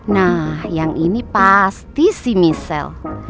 nah yang ini pasti si michel